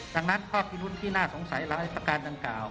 ดังนั้นข้อพิรุธที่น่าสงสัยหลายประการดังกล่าว